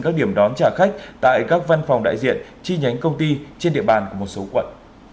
các điểm đón trả khách tại các văn phòng đại diện chi nhánh công ty trên địa bàn của một số quận